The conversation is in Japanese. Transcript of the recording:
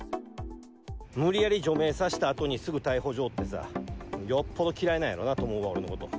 無理やり除名させたあとに、すぐ逮捕状ってさ、よっぽど嫌いなんやろうなと思うわ、俺のこと。